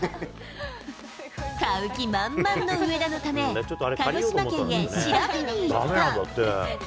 買う気満々の上田のため、鹿児島県へ調べに行った。